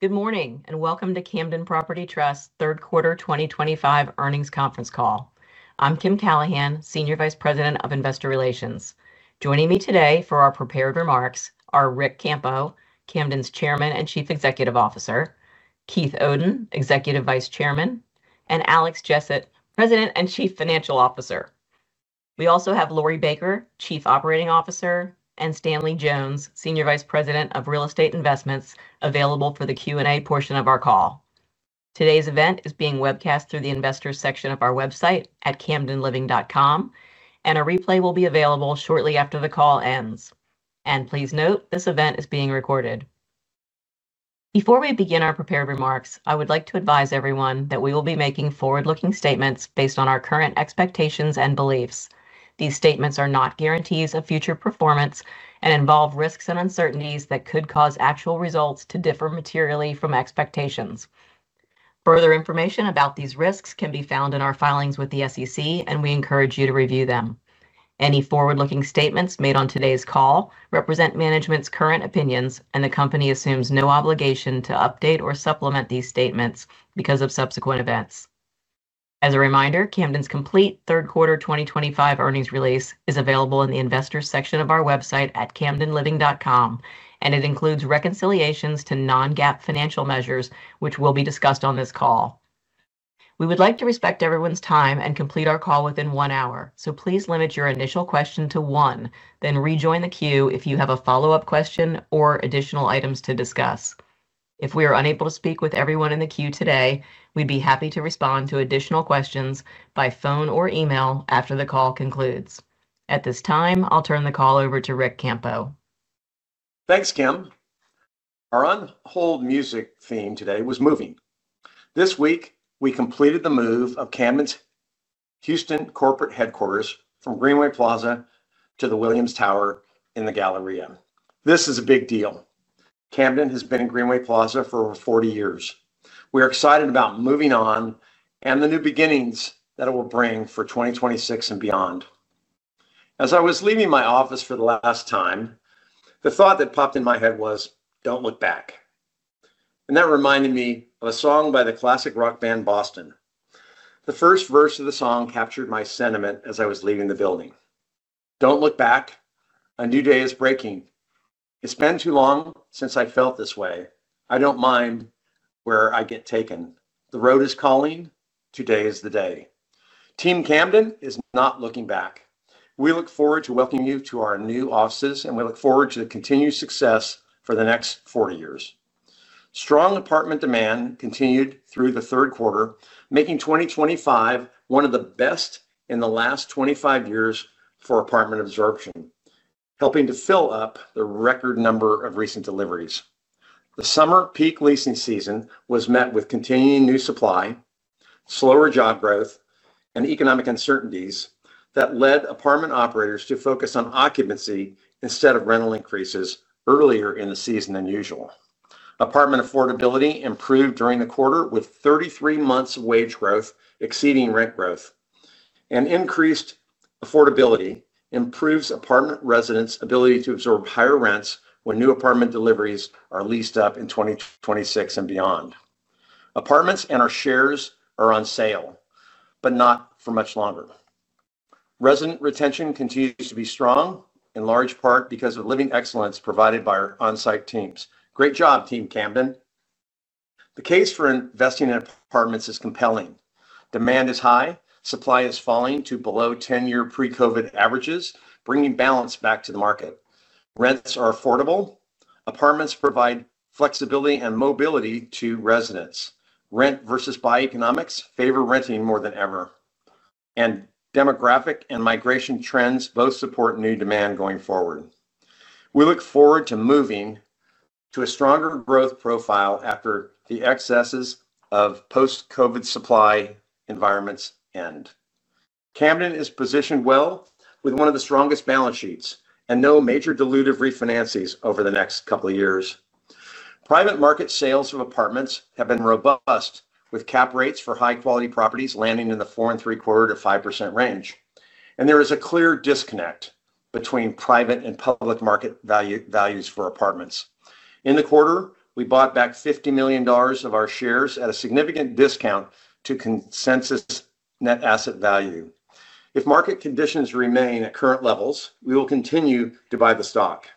Good morning and welcome to Camden Property Trust's third quarter 2025 earnings conference call. I'm Kim Callahan, Senior Vice President of Investor Relations. Joining me today for our prepared remarks are Ric Campo, Camden's Chairman and Chief Executive Officer, Keith Oden, Executive Vice Chairman, and Alex Jessett, President and Chief Financial Officer. We also have Laurie Baker, Chief Operating Officer, and Stanley Jones, Senior Vice President of Real Estate Investments, available for the Q&A portion of our call. Today's event is being webcast through the Investors section of our website at camdenliving.com, and a replay will be available shortly after the call ends. Please note, this event is being recorded. Before we begin our prepared remarks, I would like to advise everyone that we will be making forward-looking statements based on our current expectations and beliefs. These statements are not guarantees of future performance and involve risks and uncertainties that could cause actual results to differ materially from expectations. Further information about these risks can be found in our filings with the SEC, and we encourage you to review them. Any forward-looking statements made on today's call represent management's current opinions, and the company assumes no obligation to update or supplement these statements because of subsequent events. As a reminder, Camden's complete third quarter 2025 earnings release is available in the Investors section of our website at camdenliving.com, and it includes reconciliations to non-GAAP financial measures, which will be discussed on this call. We would like to respect everyone's time and complete our call within one hour, so please limit your initial question to one, then rejoin the queue if you have a follow-up question or additional items to discuss. If we are unable to speak with everyone in the queue today, we'd be happy to respond to additional questions by phone or email after the call concludes. At this time, I'll turn the call over to Ric Campo. Thanks, Kim. Our on-hold music theme today was moving. This week, we completed the move of Camden's Houston corporate headquarters from Greenway Plaza to the Williams Tower in the Galleria. This is a big deal. Camden has been in Greenway Plaza for over 40 years. We are excited about moving on and the new beginnings that it will bring for 2026 and beyond. As I was leaving my office for the last time, the thought that popped in my head was, "Don't look back." That reminded me of a song by the classic rock band Boston. The first verse of the song captured my sentiment as I was leaving the building. "Don't look back. A new day is breaking. It's been too long since I felt this way. I don't mind where I get taken. The road is calling. Today is the day." Team Camden is not looking back. We look forward to welcoming you to our new offices, and we look forward to continued success for the next 40 years. Strong apartment demand continued through the third quarter, making 2025 one of the best in the last 25 years for apartment absorption, helping to fill up the record number of recent deliveries. The summer peak leasing season was met with continuing new supply, slower job growth, and economic uncertainties that led apartment operators to focus on occupancy instead of rental increases earlier in the season than usual. Apartment affordability improved during the quarter with 33 months of wage growth exceeding rent growth. Increased affordability improves apartment residents' ability to absorb higher rents when new apartment deliveries are leased up in 2026 and beyond. Apartments and our shares are on sale, but not for much longer. Resident retention continues to be strong, in large part because of living excellence provided by our on-site teams. Great job, Team Camden. The case for investing in apartments is compelling. Demand is high. Supply is falling to below 10-year pre-COVID averages, bringing balance back to the market. Rents are affordable. Apartments provide flexibility and mobility to residents. Rent versus buy economics favor renting more than ever. Demographic and migration trends both support new demand going forward. We look forward to moving to a stronger growth profile after the excesses of post-COVID supply environments end. Camden is positioned well with one of the strongest balance sheets and no major dilutive refinances over the next couple of years. Private market sales of apartments have been robust, with cap rates for high-quality properties landing in the 4.75%-5% range. There is a clear disconnect between private and public market values for apartments. In the quarter, we bought back $50 million of our shares at a significant discount to consensus net asset value. If market conditions remain at current levels, we will continue to buy the stock.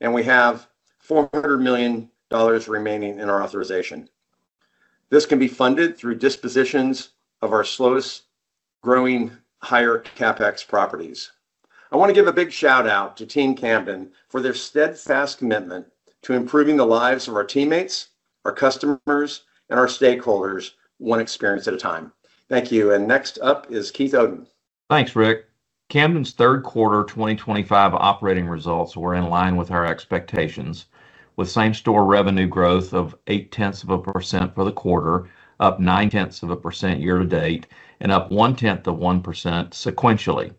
We have $400 million remaining in our authorization. This can be funded through dispositions of our slowest-growing higher CapEx properties. I want to give a big shout-out to Team Camden for their steadfast commitment to improving the lives of our teammates, our customers, and our stakeholders one experience at a time. Thank you. Next up is Keith Oden. Thanks, Ric. Camden's third quarter 2025 operating results were in line with our expectations, with same-store revenue growth of 0.8% for the quarter, up 0.9% year-to-date, and up 0.1% sequentially.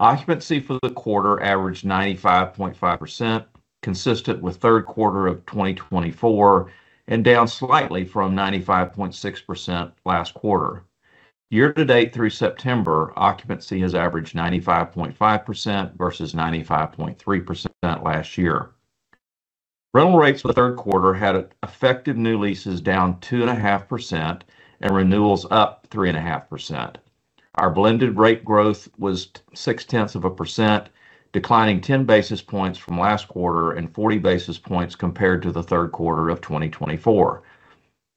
Occupancy for the quarter averaged 95.5%, consistent with third quarter of 2024, and down slightly from 95.6% last quarter. Year-to-date through September, occupancy has averaged 95.5% versus 95.3% last year. Rental rates for third quarter had effective new leases down 2.5% and renewals up 3.5%. Our blended rate growth was 0.6%, declining 10 basis points from last quarter and 40 basis points compared to the third quarter of 2024.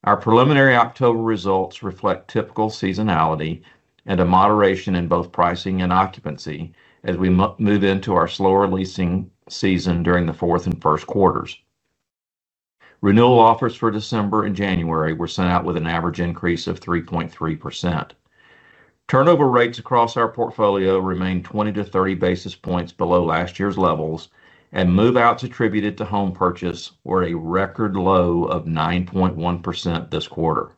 Our preliminary October results reflect typical seasonality and a moderation in both pricing and occupancy as we move into our slower leasing season during the fourth and first quarters. Renewal offers for December and January were sent out with an average increase of 3.3%. Turnover rates across our portfolio remained 20-30 basis points below last year's levels, and move-outs attributed to home purchase were a record low of 9.1% this quarter.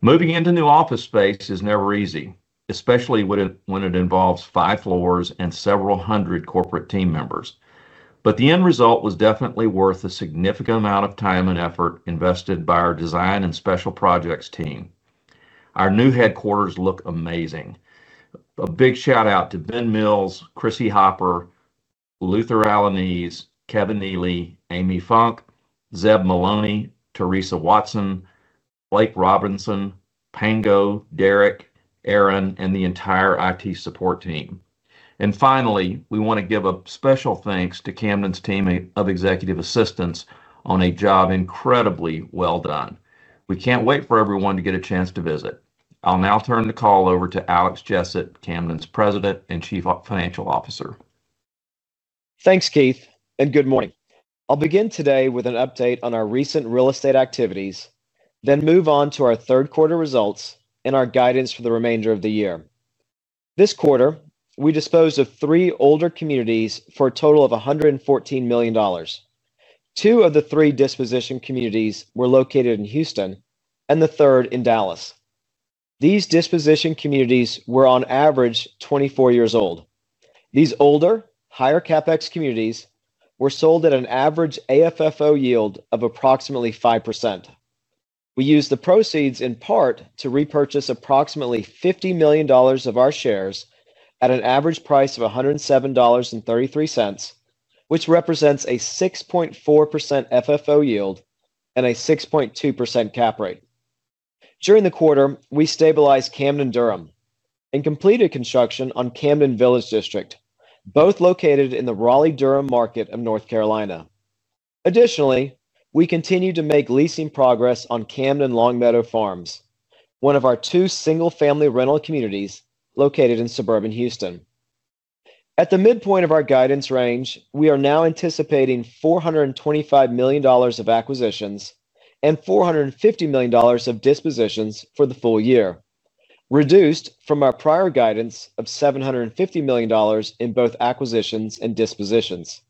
Moving into new office space is never easy, especially when it involves five floors and several hundred corporate team members. The end result was definitely worth the significant amount of time and effort invested by our design and special projects team. Our new headquarters look amazing. A big shout-out to Ben Mills, Chrissy Hopper, Luther Allenes, Kevin Neely, Amy Funk, Zeb Maloney, Teresa Watson, Blake Robinson, Pango, Derek, Aaron, and the entire IT support team. Finally, we want to give a special thanks to Camden's team of executive assistants on a job incredibly well done. We can't wait for everyone to get a chance to visit. I'll now turn the call over to Alex Jessett, Camden's President and Chief Financial Officer. Thanks, Keith, and good morning. I'll begin today with an update on our recent real estate activities, then move on to our third quarter results and our guidance for the remainder of the year. This quarter, we disposed of three older communities for a total of $114 million. Two of the three disposition communities were located in Houston, and the third in Dallas. These disposition communities were on average 24 years old. These older, higher CapEx communities were sold at an average AFFO yield of approximately 5%. We used the proceeds in part to repurchase approximately $50 million of our shares at an average price of $107.33, which represents a 6.4% FFO yield and a 6.2% cap rate. During the quarter, we stabilized Camden Durham and completed construction on Camden Village District, both located in the Raleigh-Durham market of North Carolina. Additionally, we continue to make leasing progress on Camden Longmeadow Farms, one of our two single-family rental communities located in suburban Houston. At the midpoint of our guidance range, we are now anticipating $425 million of acquisitions and $450 million of dispositions for the full year, reduced from our prior guidance of $750 million in both acquisitions and dispositions.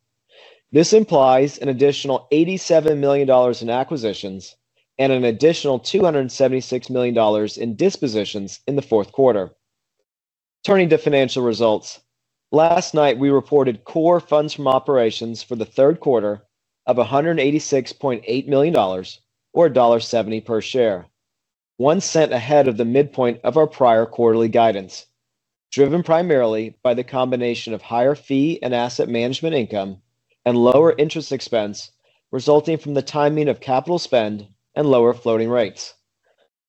This implies an additional $87 million in acquisitions and an additional $276 million in dispositions in the fourth quarter. Turning to financial results, last night we reported core funds from operations for the third quarter of $186.8 million, or $1.70 per share, one cent ahead of the midpoint of our prior quarterly guidance, driven primarily by the combination of higher fee and asset management income and lower interest expense resulting from the timing of capital spend and lower floating rates.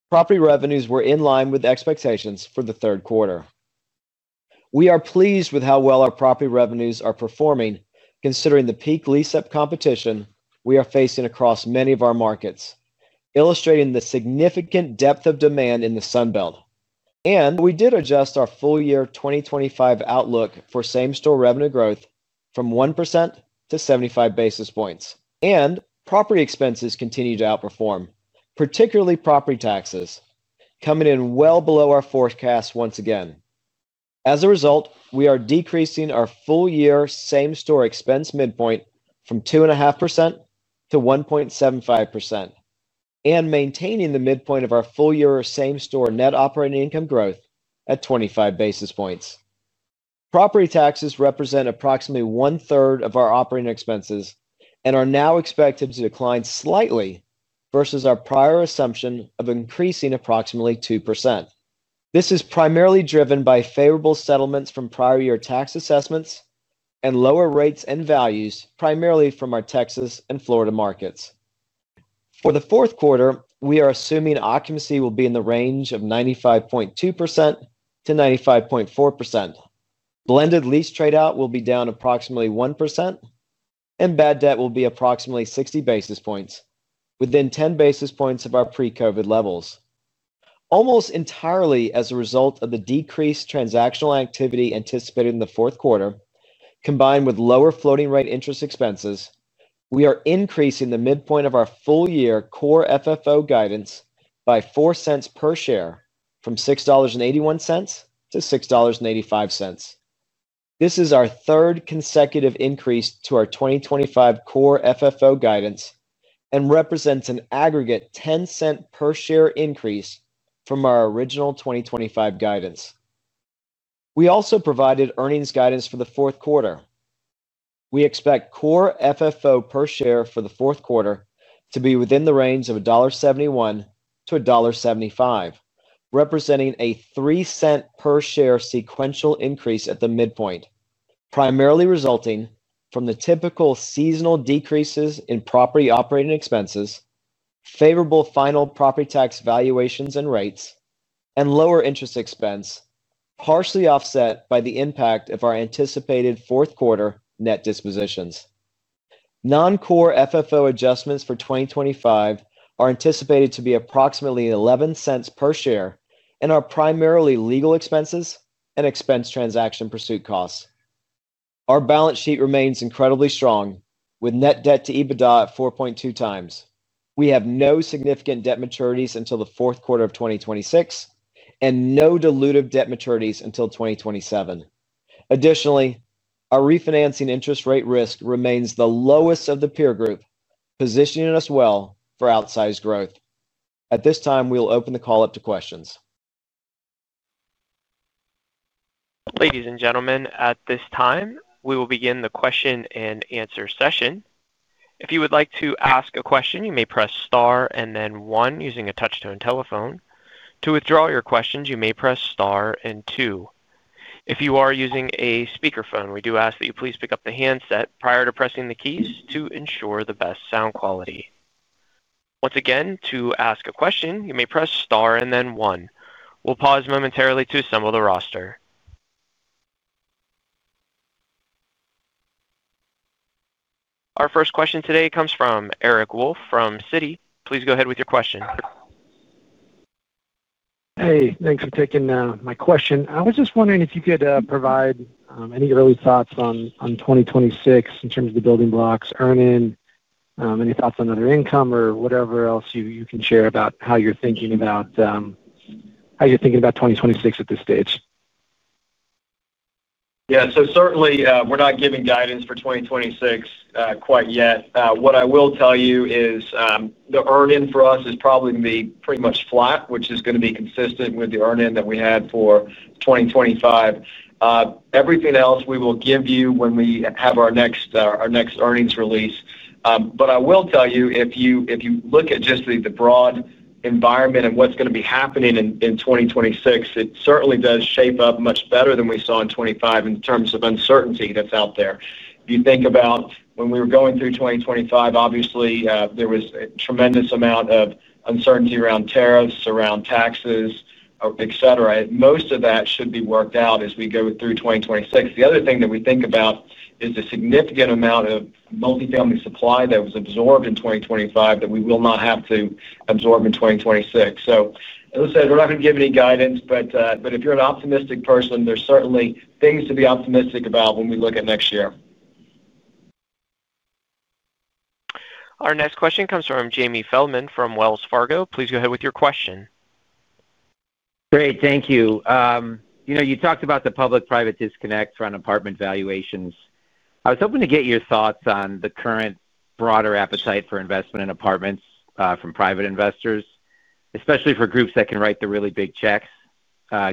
Property revenues were in line with expectations for the third quarter. We are pleased with how well our property revenues are performing, considering the peak lease-up competition we are facing across many of our markets, illustrating the significant depth of demand in the Sunbelt. We did adjust our full-year 2025 outlook for same-store revenue growth from 1% to 75 basis points. Property expenses continue to outperform, particularly property taxes, coming in well below our forecast once again. As a result, we are decreasing our full-year same-store expense midpoint from 2.5% to 1.75% and maintaining the midpoint of our full-year same-store net operating income growth at 25 basis points. Property taxes represent approximately one-third of our operating expenses and are now expected to decline slightly versus our prior assumption of increasing approximately 2%. This is primarily driven by favorable settlements from prior-year tax assessments and lower rates and values primarily from our Texas and Florida markets. For the fourth quarter, we are assuming occupancy will be in the range of 95.2%-95.4%. Blended lease tradeout will be down approximately 1%, and bad debt will be approximately 60 basis points, within 10 basis points of our pre-COVID levels. Almost entirely as a result of the decreased transactional activity anticipated in the fourth quarter, combined with lower floating-rate interest expenses, we are increasing the midpoint of our full-year core FFO guidance by $0.04 per share from $6.81 to $6.85. This is our third consecutive increase to our 2025 core FFO guidance and represents an aggregate $0.10 per-share increase from our original 2025 guidance. We also provided earnings guidance for the fourth quarter. We expect core FFO per share for the fourth quarter to be within the range of $1.71-$1.75, representing a 3-cent per-share sequential increase at the midpoint, primarily resulting from the typical seasonal decreases in property operating expenses, favorable final property tax valuations and rates, and lower interest expense, partially offset by the impact of our anticipated fourth-quarter net dispositions. Non-core FFO adjustments for 2025 are anticipated to be approximately $0.11 per share and are primarily legal expenses and expense transaction pursuit costs. Our balance sheet remains incredibly strong, with net debt to EBITDA at 4.2 times. We have no significant debt maturities until the fourth quarter of 2026 and no dilutive debt maturities until 2027. Additionally, our refinancing interest rate risk remains the lowest of the peer group, positioning us well for outsized growth. At this time, we will open the call up to questions. Ladies and gentlemen, at this time, we will begin the question-and-answer session. If you would like to ask a question, you may press Star and then 1 using a touch-tone telephone. To withdraw your questions, you may press Star and 2. If you are using a speakerphone, we do ask that you please pick up the handset prior to pressing the keys to ensure the best sound quality. Once again, to ask a question, you may press star and then one. We'll pause momentarily to assemble the roster. Our first question today comes from Eric Wolfe from Citi. Please go ahead with your question. Hey, thanks for taking my question. I was just wondering if you could provide any early thoughts on 2026 in terms of the building blocks, earning, any thoughts on other income or whatever else you can share about how you're thinking about 2026 at this stage. Yeah, so certainly, we're not giving guidance for 2026 quite yet. What I will tell you is the earning for us is probably going to be pretty much flat, which is going to be consistent with the earning that we had for 2025. Everything else we will give you when we have our next earnings release. I will tell you, if you look at just the broad environment and what's going to be happening in 2026, it certainly does shape up much better than we saw in 2025 in terms of uncertainty that's out there. If you think about when we were going through 2025, obviously, there was a tremendous amount of uncertainty around tariffs, around taxes, etc. Most of that should be worked out as we go through 2026. The other thing that we think about is the significant amount of multifamily supply that was absorbed in 2025 that we will not have to absorb in 2026. As I said, we're not going to give any guidance, but if you're an optimistic person, there's certainly things to be optimistic about when we look at next year. Our next question comes from Jamie Feldman from Wells Fargo. Please go ahead with your question. Great, thank you. You talked about the public-private disconnect around apartment valuations. I was hoping to get your thoughts on the current broader appetite for investment in apartments from private investors, especially for groups that can write the really big checks,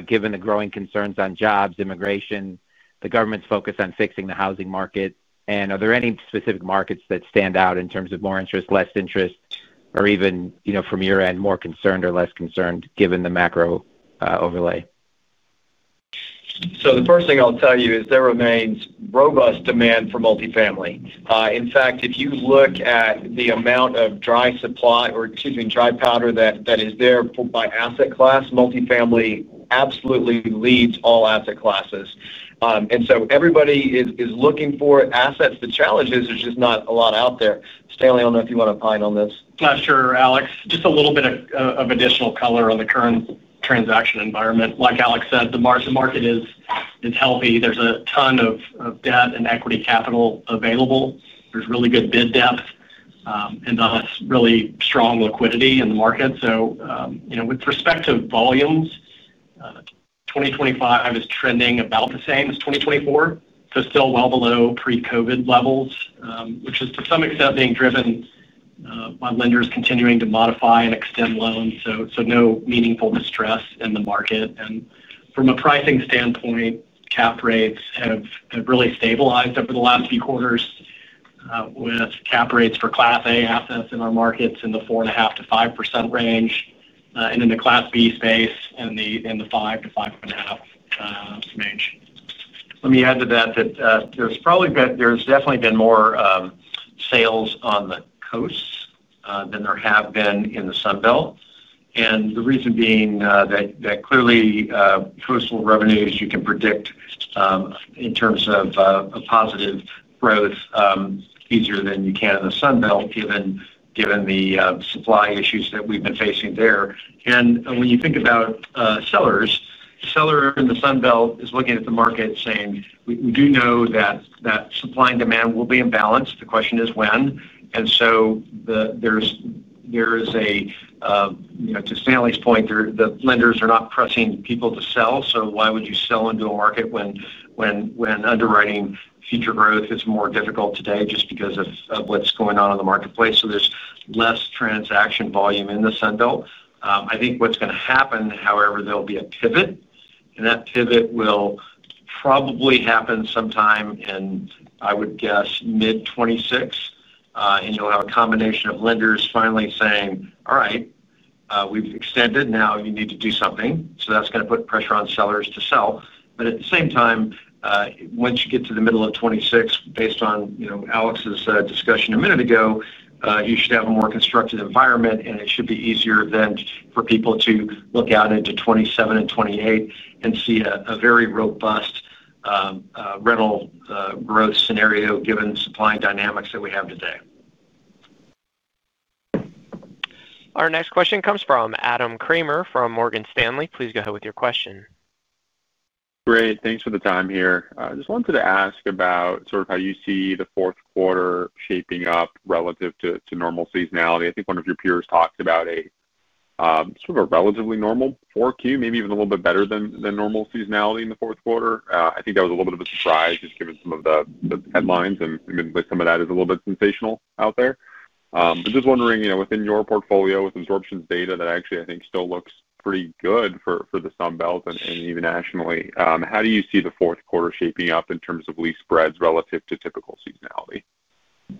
given the growing concerns on jobs, immigration, the government's focus on fixing the housing market. Are there any specific markets that stand out in terms of more interest, less interest, or even, from your end, more concerned or less concerned, given the macro overlay? The first thing I'll tell you is there remains robust demand for multifamily. In fact, if you look at the amount of dry supply or, excuse me, dry powder that is there by asset class, multifamily absolutely leads all asset classes. Everybody is looking for assets. The challenge is there's just not a lot out there. Stanley, I don't know if you want to pine on this. Sure, Alex. Just a little bit of additional color on the current transaction environment. Like Alex said, the market is healthy. There's a ton of debt and equity capital available. There's really good bid depth and really strong liquidity in the market. With respect to volumes, 2025 is trending about the same as 2024, so still well below pre-COVID levels, which is to some extent being driven by lenders continuing to modify and extend loans. No meaningful distress in the market. From a pricing standpoint, cap rates have really stabilized over the last few quarters, with cap rates for Class A assets in our markets in the 4.5%-5% range, and in the Class B space in the 5%-5.5% range. Let me add to that that there's definitely been more sales on the coasts than there have been in the Sunbelt. The reason being that clearly coastal revenues, you can predict in terms of positive growth easier than you can in the Sunbelt, given the supply issues that we've been facing there. When you think about sellers, the seller in the Sunbelt is looking at the market saying, "We do know that supply and demand will be in balance. The question is when." There is a, to Stanley's point, the lenders are not pressing people to sell. Why would you sell into a market when underwriting future growth is more difficult today just because of what's going on in the marketplace? There's less transaction volume in the Sunbelt. I think what's going to happen, however, there'll be a pivot, and that pivot will probably happen sometime in, I would guess, mid-2026, and you'll have a combination of lenders finally saying, "All right, we've extended. Now you need to do something." That is going to put pressure on sellers to sell. At the same time, once you get to the middle of 2026, based on Alex's discussion a minute ago, you should have a more constructive environment, and it should be easier then for people to look out into 2027 and 2028 and see a very robust rental growth scenario given the supply dynamics that we have today. Our next question comes from Adam Kramer from Morgan Stanley. Please go ahead with your question. Great. Thanks for the time here. Just wanted to ask about sort of how you see the fourth quarter shaping up relative to normal seasonality. I think one of your peers talked about sort of a relatively normal fourth quarter, maybe even a little bit better than normal seasonality in the fourth quarter. I think that was a little bit of a surprise just given some of the headlines, and some of that is a little bit sensational out there. Just wondering, within your portfolio, with absorptions data that actually, I think, still looks pretty good for the Sunbelt and even nationally, how do you see the fourth quarter shaping up in terms of lease spreads relative to typical seasonality? Yeah.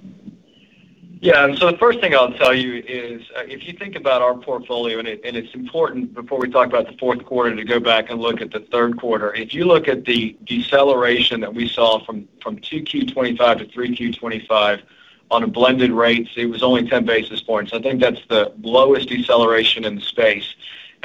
The first thing I'll tell you is, if you think about our portfolio, and it's important before we talk about the fourth quarter to go back and look at the third quarter. If you look at the deceleration that we saw from 2Q 2025 to 3Q 2025 on blended rates, it was only 10 basis points. I think that's the lowest deceleration in the space.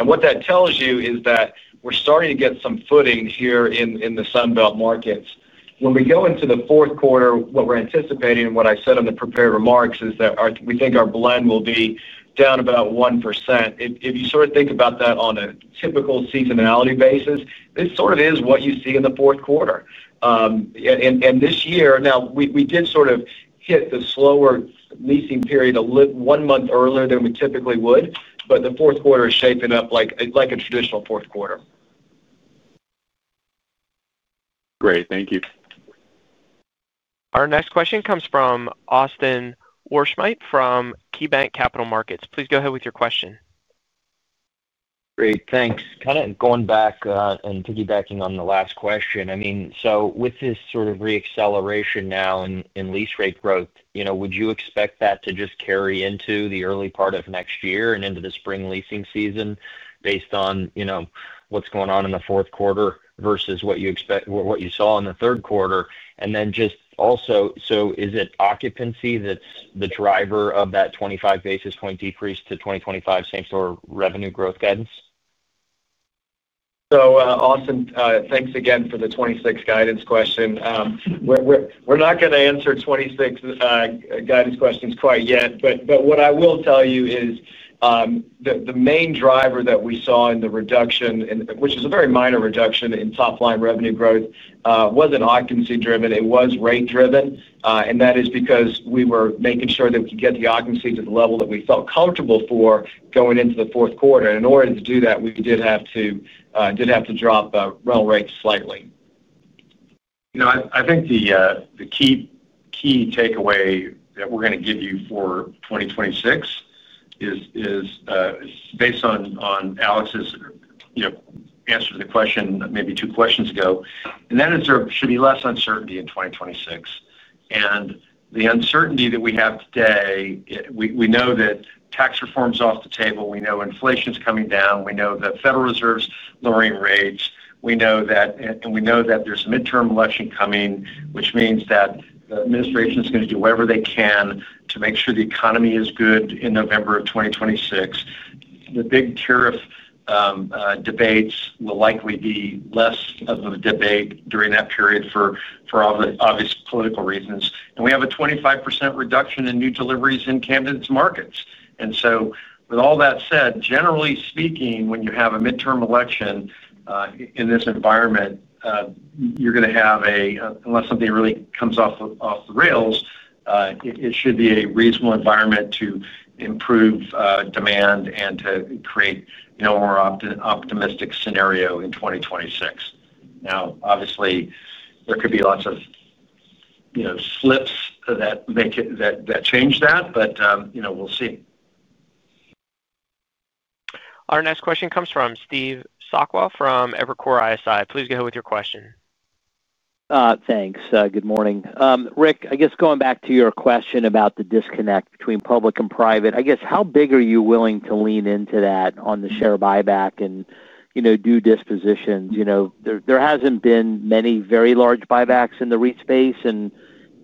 What that tells you is that we're starting to get some footing here in the Sunbelt markets. When we go into the fourth quarter, what we're anticipating, and what I said in the prepared remarks, is that we think our blend will be down about 1%. If you sort of think about that on a typical seasonality basis, this sort of is what you see in the fourth quarter. This year, now, we did sort of hit the slower leasing period a month earlier than we typically would, but the fourth quarter is shaping up like a traditional fourth quarter. Great. Thank you. Our next question comes from Austin Wurschmidt from KeyBanc Capital Markets. Please go ahead with your question. Great. Thanks. Kind of going back and piggybacking on the last question, I mean, with this sort of re-acceleration now in lease rate growth, would you expect that to just carry into the early part of next year and into the spring leasing season based on what's going on in the fourth quarter versus what you saw in the third quarter? Also, is it occupancy that's the driver of that 25 basis point decrease to 2025 same-store revenue growth guidance? Austin, thanks again for the 2026 guidance question. We're not going to answer 2026 guidance questions quite yet, but what I will tell you is the main driver that we saw in the reduction, which is a very minor reduction in top-line revenue growth, was not occupancy driven. It was rate-driven. That is because we were making sure that we could get the occupancy to the level that we felt comfortable for going into the fourth quarter. In order to do that, we did have to drop rental rates slightly. I think the key takeaway that we're going to give you for 2026 is based on Alex's answer to the question maybe two questions ago, and that is there should be less uncertainty in 2026. The uncertainty that we have today, we know that tax reform is off the table. We know inflation is coming down. We know the Federal Reserve's lowering rates. We know that there's a midterm election coming, which means that the administration's going to do whatever they can to make sure the economy is good in November of 2026. The big tariff debates will likely be less of a debate during that period for obvious political reasons. We have a 25% reduction in new deliveries in Camden's markets. With all that said, generally speaking, when you have a midterm election in this environment, you're going to have a, unless something really comes off the rails, it should be a reasonable environment to improve demand and to create a more optimistic scenario in 2026. Now, obviously, there could be lots of slips that change that, but we'll see. Our next question comes from Steve Sakwa from Evercore ISI. Please go ahead with your question. Thanks. Good morning. Ric, I guess going back to your question about the disconnect between public and private, I guess how big are you willing to lean into that on the share buyback and do dispositions? There hasn't been many very large buybacks in the REIT space, and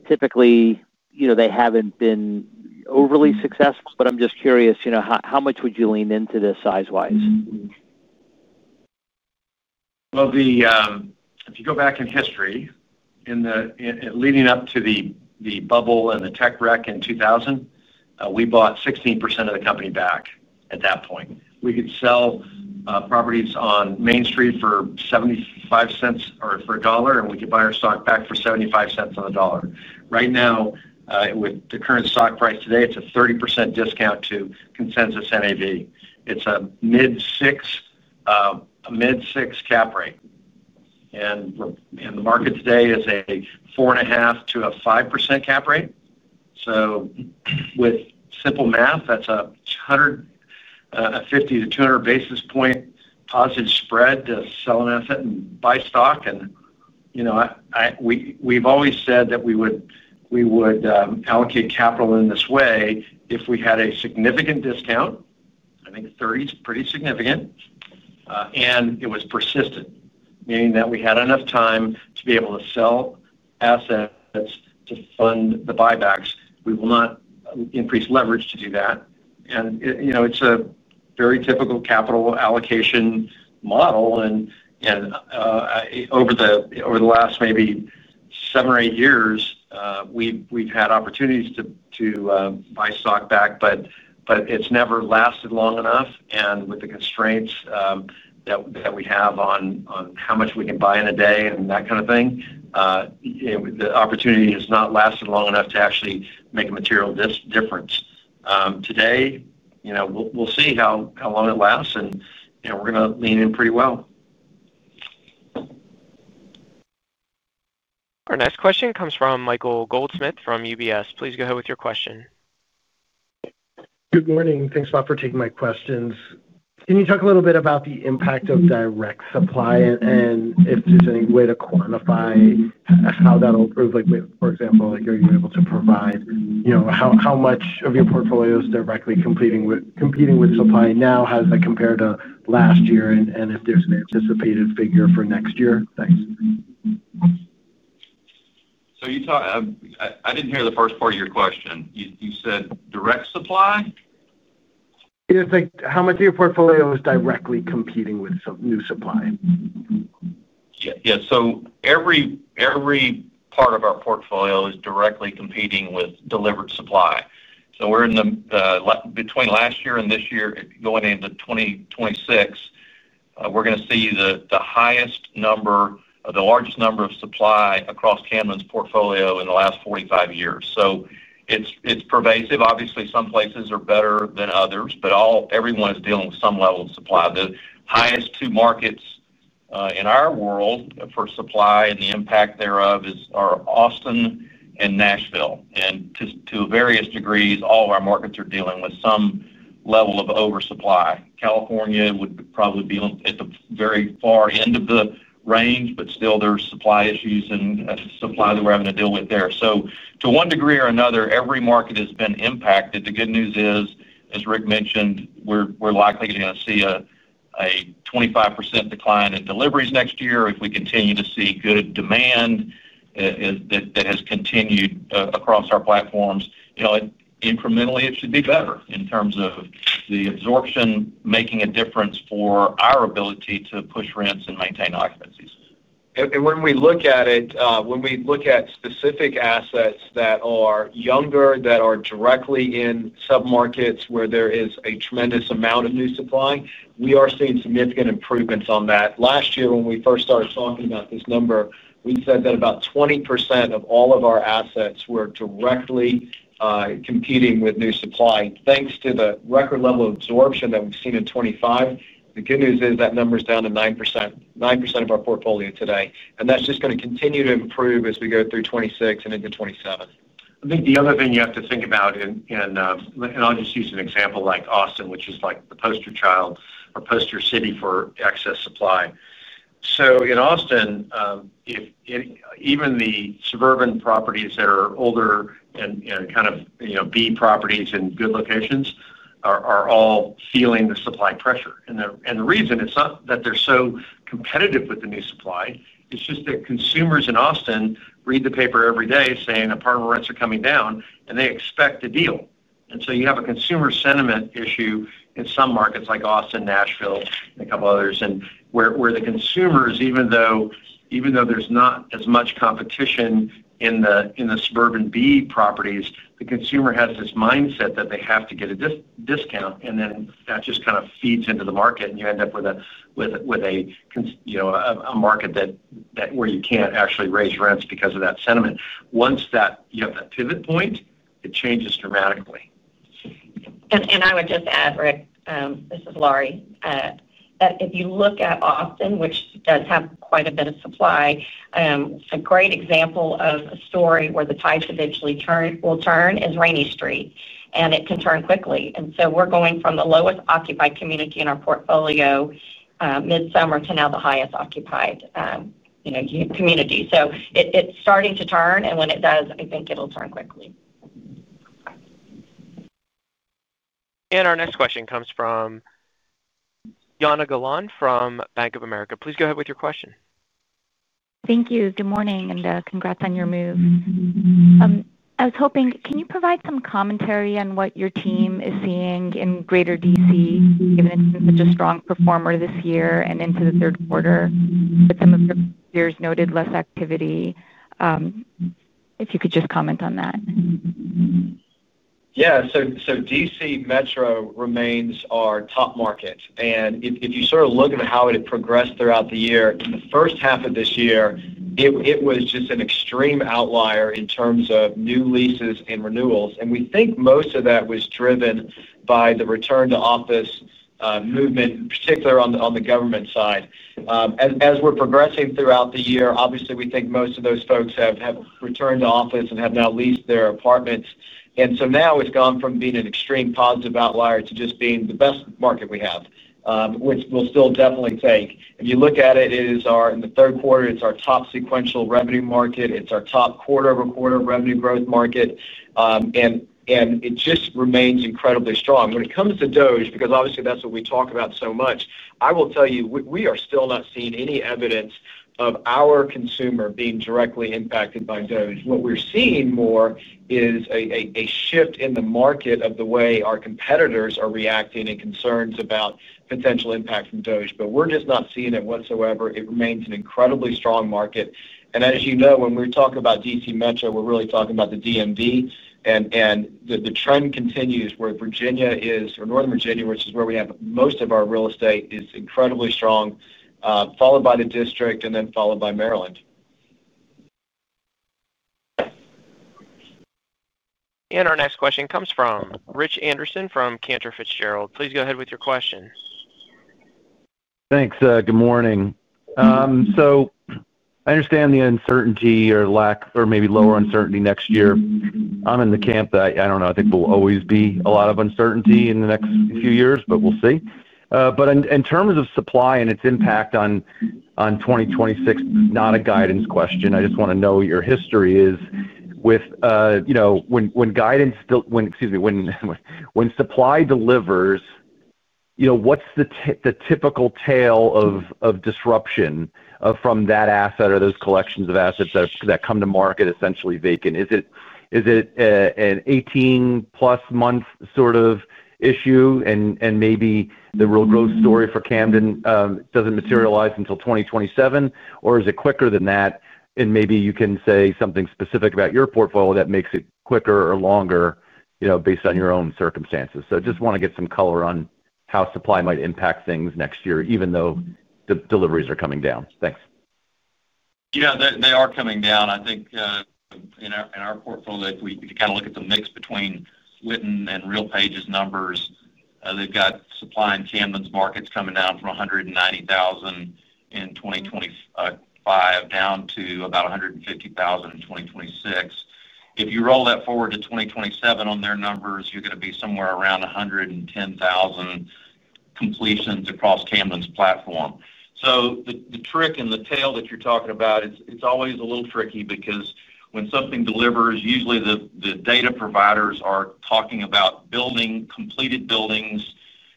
typically, they haven't been overly successful, but I'm just curious, how much would you lean into this size-wise? If you go back in history, leading up to the bubble and the tech wreck in 2000, we bought 16% of the company back at that point. We could sell properties on Main Street for $0.75 or for $1, and we could buy our stock back for $0.75 on the dollar. Right now, with the current stock price today, it's a 30% discount to Consensus NAV. It's a mid-six cap rate. The market today is a 4.5%-5% cap rate. With simple math, that's a 50-200 basis point positive spread to sell an asset and buy stock. We've always said that we would allocate capital in this way if we had a significant discount, I think 30% is pretty significant, and it was persistent, meaning that we had enough time to be able to sell assets to fund the buybacks. We will not increase leverage to do that. It is a very typical capital allocation model. Over the last maybe seven or eight years, we've had opportunities to buy stock back, but it's never lasted long enough. With the constraints that we have on how much we can buy in a day and that kind of thing, the opportunity has not lasted long enough to actually make a material difference. Today, we'll see how long it lasts, and we're going to lean in pretty well. Our next question comes from Michael Goldsmith from UBS. Please go ahead with your question. Good morning. Thanks a lot for taking my questions. Can you talk a little bit about the impact of direct supply and if there's any way to quantify how that'll improve? For example, are you able to provide how much of your portfolio is directly competing with supply now? How does that compare to last year? And if there's an anticipated figure for next year? Thanks. I didn't hear the first part of your question. You said direct supply? Yeah. How much of your portfolio is directly competing with new supply? Yeah. Every part of our portfolio is directly competing with delivered supply. Between last year and this year, going into 2026, we're going to see the highest number, the largest number of supply across Camden's portfolio in the last 45 years. It's pervasive. Obviously, some places are better than others, but everyone is dealing with some level of supply. The highest two markets in our world for supply and the impact thereof are Austin and Nashville. To various degrees, all of our markets are dealing with some level of oversupply. California would probably be at the very far end of the range, but still, there are supply issues and supply that we're having to deal with there. To one degree or another, every market has been impacted. The good news is, as Ric mentioned, we're likely going to see a 25% decline in deliveries next year if we continue to see good demand that has continued across our platforms. Incrementally, it should be better in terms of the absorption making a difference for our ability to push rents and maintain occupancies. When we look at it, when we look at specific assets that are younger, that are directly in sub-markets where there is a tremendous amount of new supply, we are seeing significant improvements on that. Last year, when we first started talking about this number, we said that about 20% of all of our assets were directly competing with new supply. Thanks to the record level of absorption that we've seen in 2025, the good news is that number's down to 9% of our portfolio today. That is just going to continue to improve as we go through 2026 and into 2027. I think the other thing you have to think about, and I'll just use an example like Austin, which is like the poster child or poster city for excess supply. In Austin, even the suburban properties that are older and kind of B properties in good locations are all feeling the supply pressure. The reason is not that they are so competitive with the new supply, it is just that consumers in Austin read the paper every day saying apartment rents are coming down, and they expect a deal. You have a consumer sentiment issue in some markets like Austin, Nashville, and a couple others, where the consumers, even though there's not as much competition in the suburban B properties, the consumer has this mindset that they have to get a discount, and then that just kind of feeds into the market, and you end up with a market where you can't actually raise rents because of that sentiment. Once you have that pivot point, it changes dramatically. I would just add, Ric, this is Laurie, that if you look at Austin, which does have quite a bit of supply, a great example of a story where the tides eventually will turn is Rainy Street, and it can turn quickly. We are going from the lowest occupied community in our portfolio mid-summer to now the highest occupied community. It is starting to turn, and when it does, I think it will turn quickly. Our next question comes from Jana Galan from Bank of America. Please go ahead with your question. Thank you. Good morning, and congrats on your move. I was hoping, can you provide some commentary on what your team is seeing in greater D.C., given it's been such a strong performer this year and into the third quarter, with some of your peers noted less activity? If you could just comment on that. Yeah. DC Metro remains our top market. If you sort of look at how it had progressed throughout the year, in the first half of this year, it was just an extreme outlier in terms of new leases and renewals. We think most of that was driven by the return-to-office movement, particularly on the government side. As we're progressing throughout the year, obviously, we think most of those folks have returned to office and have now leased their apartments. Now it's gone from being an extreme positive outlier to just being the best market we have, which we'll still definitely take. If you look at it, in the third quarter, it's our top sequential revenue market. It's our top quarter-over-quarter revenue growth market, and it just remains incredibly strong. When it comes to DOGE, because obviously, that's what we talk about so much, I will tell you, we are still not seeing any evidence of our consumer being directly impacted by DOGE. What we're seeing more is a shift in the market of the way our competitors are reacting and concerns about potential impact from DOGE, but we're just not seeing it whatsoever. It remains an incredibly strong market. As you know, when we talk about DC Metro, we're really talking about the DMV, and the trend continues where Virginia is, or Northern Virginia, which is where we have most of our real estate, is incredibly strong, followed by the district, and then followed by Maryland. Our next question comes from Rich Anderson from Cantor Fitzgerald. Please go ahead with your question. Thanks. Good morning. I understand the uncertainty or maybe lower uncertainty next year. I'm in the camp that I don't know. I think there will always be a lot of uncertainty in the next few years, but we'll see. In terms of supply and its impact on 2026, it's not a guidance question. I just want to know what your history is with when guidance—excuse me—when supply delivers, what's the typical tale of disruption from that asset or those collections of assets that come to market essentially vacant? Is it an 18-plus month sort of issue, and maybe the real growth story for Camden doesn't materialize until 2027, or is it quicker than that? Maybe you can say something specific about your portfolio that makes it quicker or longer based on your own circumstances. I just want to get some color on how supply might impact things next year, even though the deliveries are coming down. Thanks. Yeah. They are coming down. I think in our portfolio, if you kind of look at the mix between Yardi and RealPage's numbers, they've got supply in Camden's markets coming down from 190,000 in 2025 down to about 150,000 in 2026. If you roll that forward to 2027 on their numbers, you're going to be somewhere around 110,000 completions across Camden's platform. The trick and the tale that you're talking about, it's always a little tricky because when something delivers, usually the data providers are talking about completed buildings.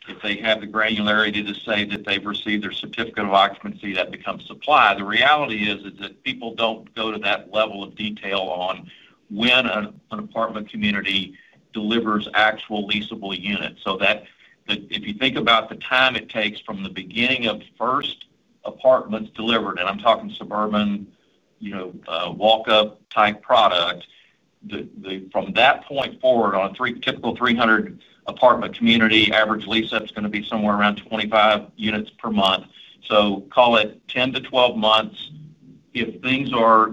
If they have the granularity to say that they've received their certificate of occupancy, that becomes supply. The reality is that people do not go to that level of detail on when an apartment community delivers actual leasable units. If you think about the time it takes from the beginning of first apartments delivered, and I'm talking suburban walk-up type product, from that point forward, on a typical 300-apartment community, average lease up is going to be somewhere around 25 units per month. Call it 10-12 months. If things are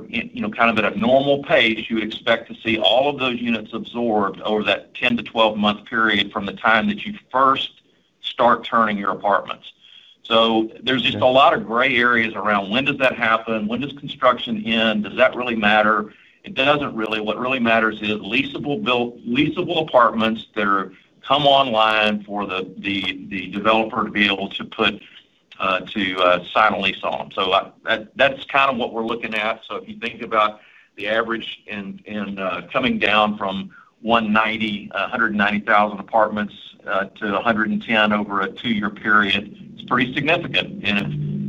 kind of at a normal pace, you would expect to see all of those units absorbed over that 10-12 month period from the time that you first start turning your apartments. There's just a lot of gray areas around when does that happen? When does construction end? Does that really matter? It doesn't really. What really matters is leasable apartments that come online for the developer to be able to sign a lease on. That's kind of what we're looking at. If you think about the average and coming down from 190,000 apartments to 110,000 over a two-year period, it is pretty significant.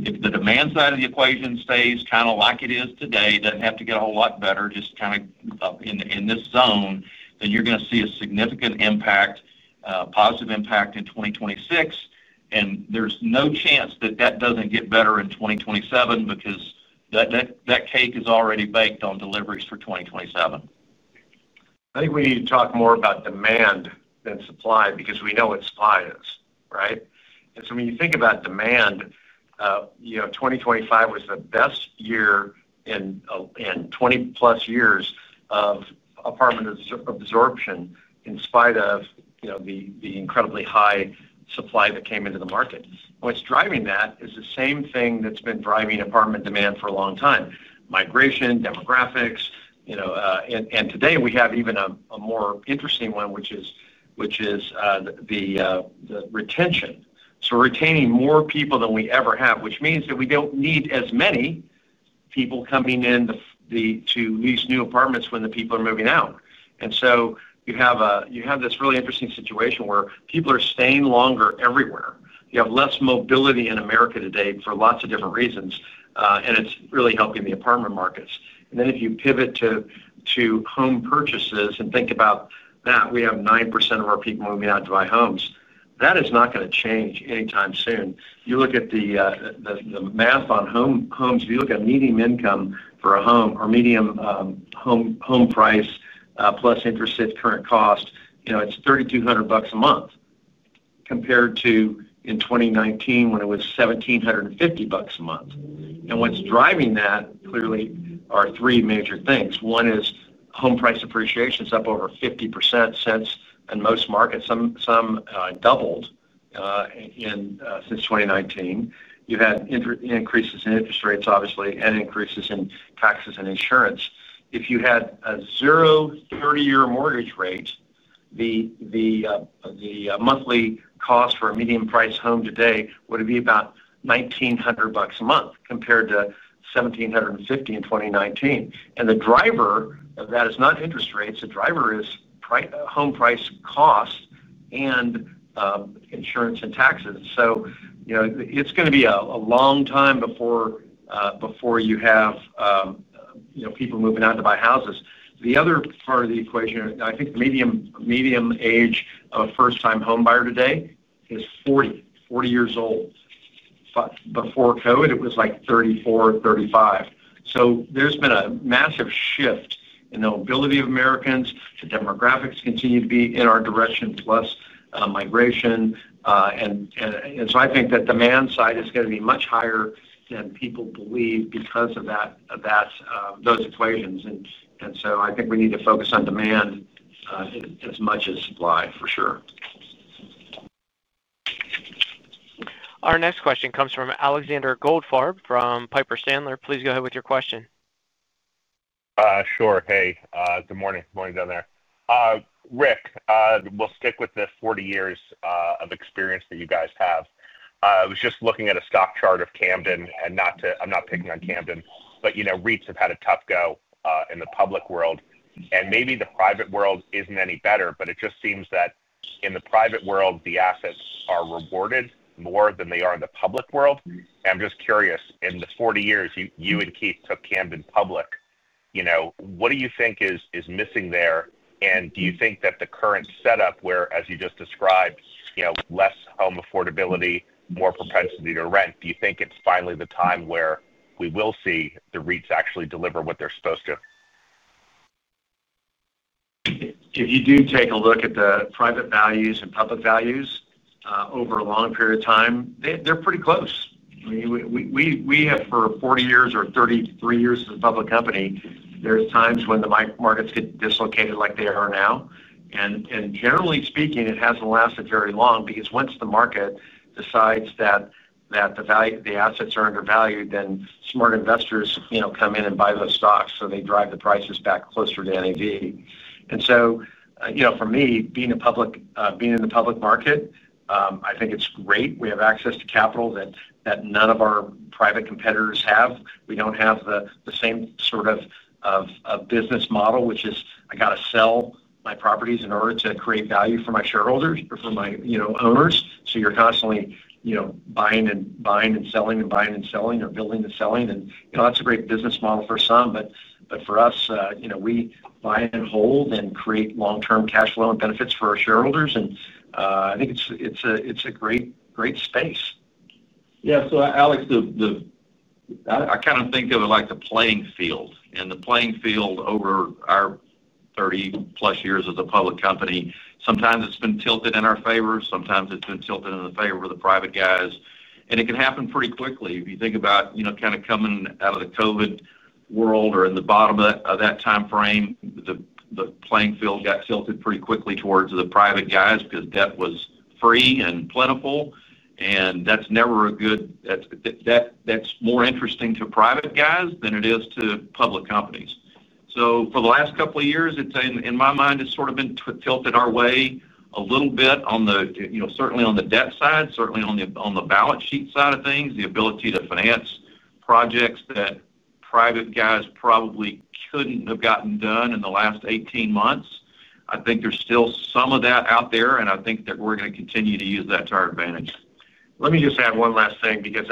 If the demand side of the equation stays kind of like it is today, does not have to get a whole lot better, just kind of in this zone, then you are going to see a significant impact, positive impact in 2026. There is no chance that that does not get better in 2027 because that cake is already baked on deliveries for 2027. I think we need to talk more about demand than supply because we know what supply is, right? When you think about demand, 2025 was the best year in 20-plus years of apartment absorption in spite of the incredibly high supply that came into the market. What is driving that is the same thing that has been driving apartment demand for a long time: migration, demographics. Today, we have even a more interesting one, which is the retention. We are retaining more people than we ever have, which means that we do not need as many people coming in to lease new apartments when the people are moving out. You have this really interesting situation where people are staying longer everywhere. You have less mobility in America today for lots of different reasons, and it is really helping the apartment markets. If you pivot to home purchases and think about that, we have 9% of our people moving out to buy homes. That is not going to change anytime soon. You look at the math on homes, if you look at median income for a home or median home price plus interest at current cost, it is $3,200 a month compared to in 2019 when it was $1,750 a month. What's driving that clearly are three major things. One is home price appreciation is up over 50% since in most markets, some doubled since 2019. You had increases in interest rates, obviously, and increases in taxes and insurance. If you had a zero 30-year mortgage rate, the monthly cost for a medium-priced home today would be about $1,900 a month compared to $1,750 in 2019. The driver of that is not interest rates. The driver is home price cost and insurance and taxes. It's going to be a long time before you have people moving out to buy houses. The other part of the equation, I think the median age of a first-time homebuyer today is 40, 40 years old. Before COVID, it was like 34, 35. There's been a massive shift in the mobility of Americans.The demographics continue to be in our direction, plus migration. I think that demand side is going to be much higher than people believe because of those equations. I think we need to focus on demand as much as supply, for sure. Our next question comes from Alexander Goldfarb from Piper Sandler. Please go ahead with your question. Sure. Hey, good morning. Good morning down there. Ric, we'll stick with the 40 years of experience that you guys have. I was just looking at a stock chart of Camden, and I'm not picking on Camden, but REITs have had a tough go in the public world. Maybe the private world isn't any better, but it just seems that in the private world, the assets are rewarded more than they are in the public world. I'm just curious, in the 40 years you and Keith took Camden public, what do you think is missing there? Do you think that the current setup where, as you just described, less home affordability, more propensity to rent, do you think it's finally the time where we will see the REITs actually deliver what they're supposed to? If you do take a look at the private values and public values over a long period of time, they're pretty close. We have, for 40 years or 33 years as a public company, there's times when the markets get dislocated like they are now. Generally speaking, it hasn't lasted very long because once the market decides that the assets are undervalued, then smart investors come in and buy those stocks, so they drive the prices back closer to NAV. For me, being in the public market, I think it's great. We have access to capital that none of our private competitors have. We don't have the same sort of business model, which is, "I got to sell my properties in order to create value for my shareholders or for my owners." You're constantly buying and selling and buying and selling or building and selling. That's a great business model for some, but for us, we buy and hold and create long-term cash flow and benefits for our shareholders. I think it's a great space. Yeah. Alex, I kind of think of it like the playing field. The playing field over our 30-plus years as a public company, sometimes it's been tilted in our favor. Sometimes it's been tilted in the favor of the private guys. It can happen pretty quickly. If you think about kind of coming out of the COVID world or in the bottom of that time frame, the playing field got tilted pretty quickly towards the private guys because debt was free and plentiful. That's never a good—that's more interesting to private guys than it is to public companies. For the last couple of years, in my mind, it's sort of been tilted our way a little bit, certainly on the debt side, certainly on the balance sheet side of things, the ability to finance projects that private guys probably couldn't have gotten done in the last 18 months. I think there's still some of that out there, and I think that we're going to continue to use that to our advantage. Let me just add one last thing because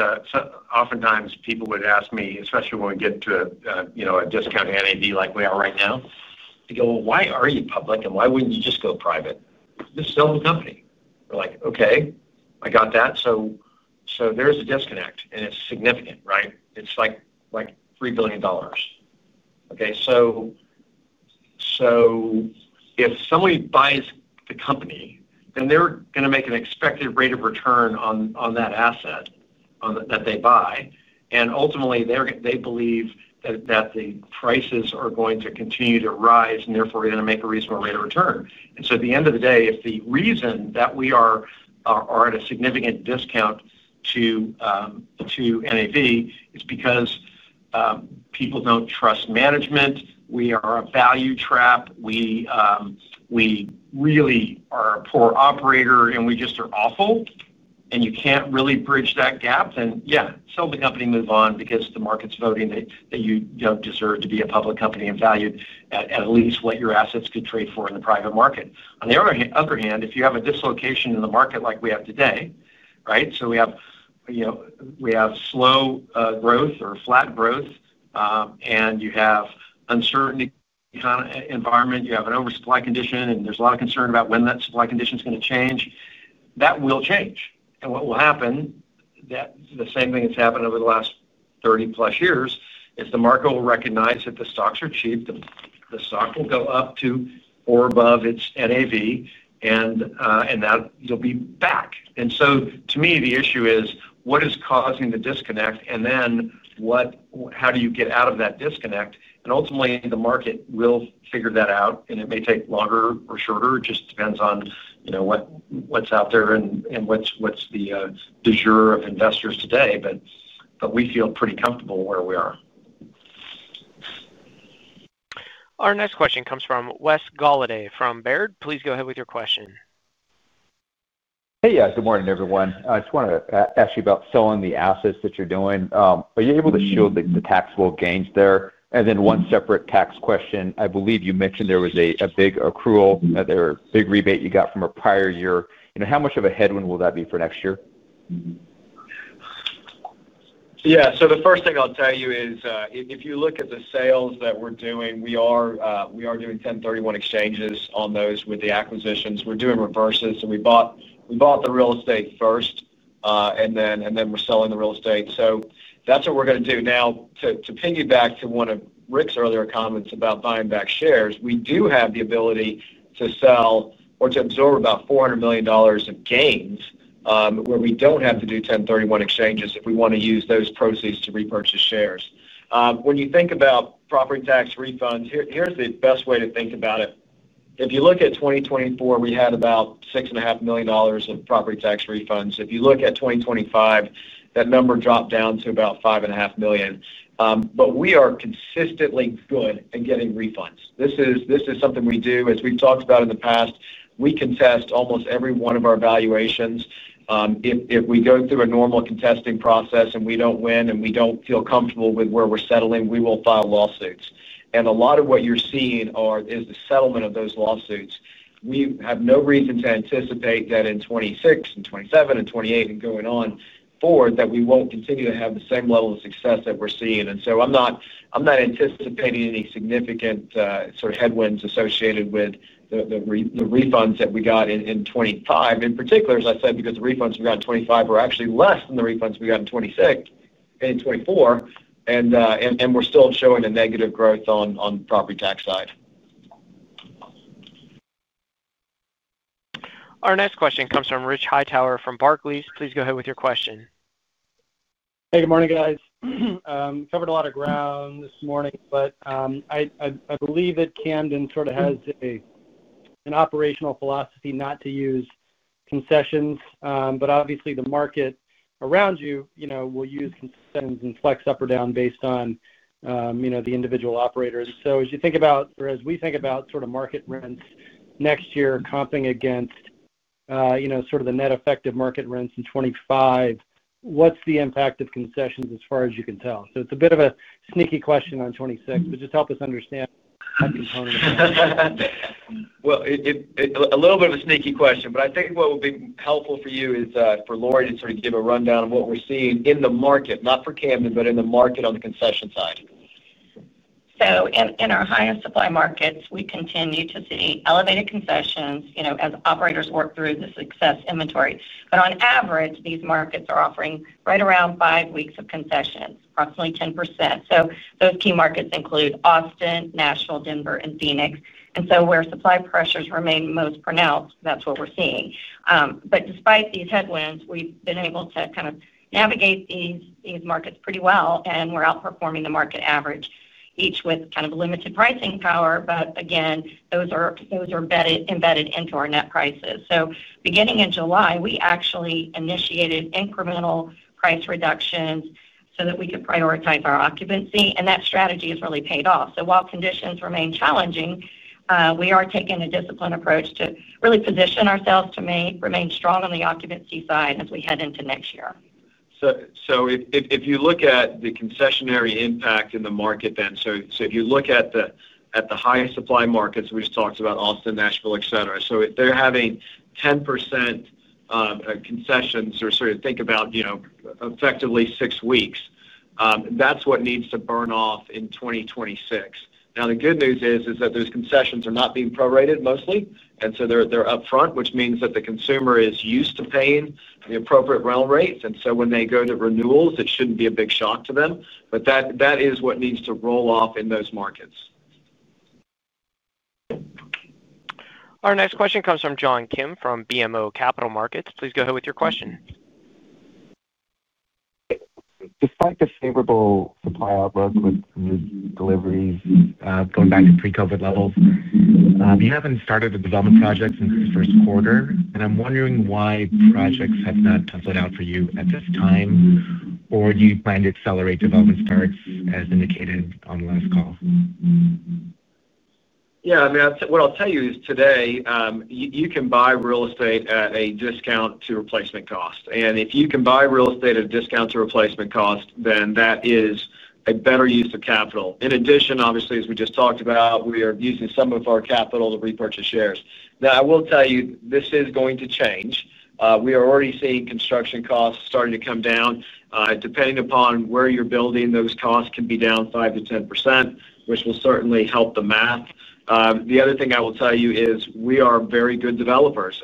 oftentimes people would ask me, especially when we get to a discount NAV like we are right now, they go, "Why are you public, and why wouldn't you just go private? Just sell the company." We're like, "Okay. I got that." There's a disconnect, and it's significant, right? It's like $3 billion. Okay? If somebody buys the company, then they're going to make an expected rate of return on that asset that they buy. Ultimately, they believe that the prices are going to continue to rise, and therefore, we're going to make a reasonable rate of return. At the end of the day, if the reason that we are at a significant discount to NAV is because people don't trust management, we are a value trap, we really are a poor operator, and we just are awful, and you can't really bridge that gap, then yeah, sell the company, move on because the market's voting that you don't deserve to be a public company and valued at least what your assets could trade for in the private market. On the other hand, if you have a dislocation in the market like we have today, right? We have slow growth or flat growth, and you have uncertainty in the environment, you have an oversupply condition, and there is a lot of concern about when that supply condition is going to change, that will change. What will happen—the same thing that has happened over the last 30-plus years—is the market will recognize that the stocks are cheap, the stock will go up to or above its NAV, and you will be back. To me, the issue is, what is causing the disconnect, and then how do you get out of that disconnect? Ultimately, the market will figure that out, and it may take longer or shorter. It just depends on what is out there and what is the de jure of investors today. We feel pretty comfortable where we are. Our next question comes from Wes Golladay from Baird. Please go ahead with your question. Hey, yeah. Good morning, everyone. I just want to ask you about selling the assets that you're doing. Are you able to shield the taxable gains there? And then one separate tax question. I believe you mentioned there was a big accrual, a big rebate you got from a prior year. How much of a headwind will that be for next year? Yeah. The first thing I'll tell you is, if you look at the sales that we're doing, we are doing 1031 exchanges on those with the acquisitions. We're doing reverses. We bought the real estate first, and then we're selling the real estate. That's what we're going to do. Now, to piggyback to one of Ric's earlier comments about buying back shares, we do have the ability to sell or to absorb about $400 million of gains where we do not have to do 1031 exchanges if we want to use those proceeds to repurchase shares. When you think about property tax refunds, here's the best way to think about it. If you look at 2024, we had about $6.5 million of property tax refunds. If you look at 2025, that number dropped down to about $5.5 million. We are consistently good at getting refunds. This is something we do. As we've talked about in the past, we contest almost every one of our valuations. If we go through a normal contesting process and we don't win and we don't feel comfortable with where we're settling, we will file lawsuits. A lot of what you're seeing is the settlement of those lawsuits. We have no reason to anticipate that in 2026 and 2027 and 2028 and going on forward that we won't continue to have the same level of success that we're seeing. I'm not anticipating any significant sort of headwinds associated with the refunds that we got in 2025, in particular, as I said, because the refunds we got in 2025 were actually less than the refunds we got in 2026 and in 2024, and we're still showing a negative growth on the property tax side. Our next question comes from Rich Hightower from Barclays. Please go ahead with your question. Hey, good morning, guys. Covered a lot of ground this morning, but I believe that Camden sort of has an operational philosophy not to use concessions. Obviously, the market around you will use concessions and flex up or down based on the individual operator. As you think about or as we think about sort of market rents next year comping against sort of the net effective market rents in 2025, what's the impact of concessions as far as you can tell? It's a bit of a sneaky question on 2026, but just help us understand that component. I think what would be helpful for you is for Laurie to sort of give a rundown of what we're seeing in the market, not for Camden, but in the market on the concession side. In our higher supply markets, we continue to see elevated concessions as operators work through the success inventory. On average, these markets are offering right around five weeks of concessions, approximately 10%. Those key markets include Austin, Nashville, Denver, and Phoenix. Where supply pressures remain most pronounced, that is what we are seeing. Despite these headwinds, we have been able to kind of navigate these markets pretty well, and we are outperforming the market average, each with kind of limited pricing power. Again, those are embedded into our net prices. Beginning in July, we actually initiated incremental price reductions so that we could prioritize our occupancy. That strategy has really paid off. While conditions remain challenging, we are taking a disciplined approach to really position ourselves to remain strong on the occupancy side as we head into next year. If you look at the concessionary impact in the market, if you look at the higher supply markets, we just talked about Austin, Nashville, etc. If they're having 10% concessions or sort of think about effectively six weeks, that's what needs to burn off in 2026. The good news is that those concessions are not being prorated mostly, and so they're upfront, which means that the consumer is used to paying the appropriate rental rates. When they go to renewals, it shouldn't be a big shock to them. That is what needs to roll off in those markets. Our next question comes from John Kim from BMO Capital Markets. Please go ahead with your question. Despite the favorable supply outlook with deliveries going back to pre-COVID levels, you haven't started a development project since the first quarter. I'm wondering why projects have not leveled out for you at this time, or do you plan to accelerate development starts as indicated on the last call? Yeah. I mean, what I'll tell you is today, you can buy real estate at a discount to replacement cost. If you can buy real estate at a discount to replacement cost, then that is a better use of capital. In addition, obviously, as we just talked about, we are using some of our capital to repurchase shares. Now, I will tell you, this is going to change. We are already seeing construction costs starting to come down. Depending upon where you're building, those costs can be down 5%-10%, which will certainly help the math. The other thing I will tell you is we are very good developers.